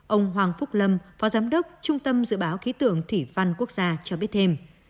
ông hoàng phúc lâm phó giám đốc trung tâm dự báo khí tượng thủy văn quốc gia cho biết thêm